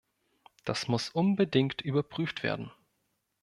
Das muss unbedingt überprüft werden.